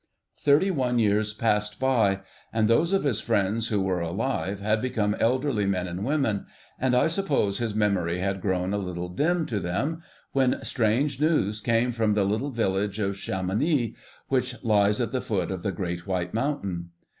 Thirty one years passed by, and those of his friends who were alive had become elderly men and women, and I suppose his memory had grown a little dim to them, when strange news came from the little village of Chamonix, which lies at the foot of the great White Mountain.